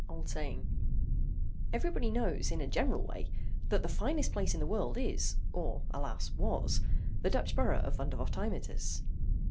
—Old Saying. Everybody knows, in a general way, that the finest place in the world is—or, alas, was—the Dutch borough of Vondervotteimittiss.